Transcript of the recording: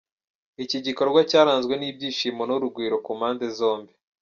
Iki gikorwa cyaranzwe n'ibyishimo n'urugwiro ku mpande zombi.